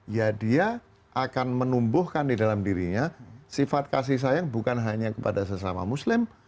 ya dia akan menumbuhkan di dalam dirinya sifat kasih sayang bukan hanya kepada sesama muslim